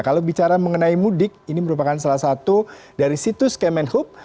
kalau bicara mengenai mudik ini merupakan salah satu dari situs kemenhub